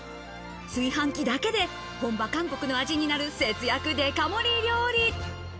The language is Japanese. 炊飯器だけで本場韓国の味になる節約デカ盛り料理。